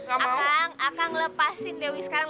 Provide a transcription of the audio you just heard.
akang akang lepasin dewi sekarang